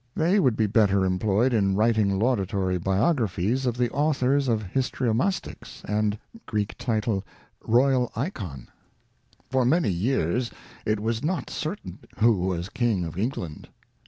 They would be better employed in writing laudatory biographies of the authors of Histriomastix and EiKbiv /3ao tAurj. For many years it was not certain who was King of England.